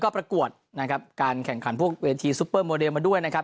ประกวดนะครับการแข่งขันพวกเวทีซุปเปอร์โมเดลมาด้วยนะครับ